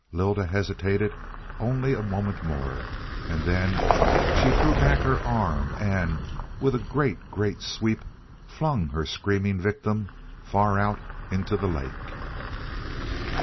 Lylda hesitated only a moment more; then she threw back her arm and, with a great great sweep, flung her screaming victim far out into the lake.